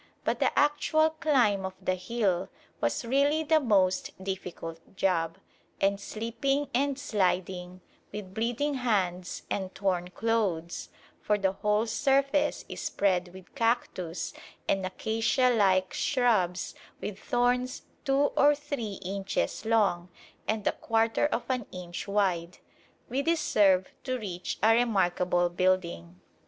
But the actual climb of the hill was really the most difficult job; and slipping and sliding, with bleeding hands and torn clothes (for the whole surface is spread with cactus and acacia like shrubs with thorns two or three inches long and a quarter of an inch wide), we deserve to reach a remarkable building.